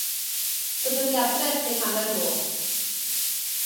Byddwn ni adref cyn hanner nos.